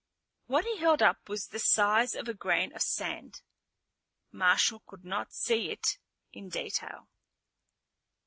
What he held up was the size of a grain of sand. Marshal could not see it in detail.